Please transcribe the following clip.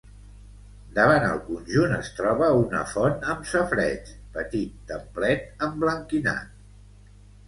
Davant el conjunt es troba una font amb safareig, petit templet emblanquinat.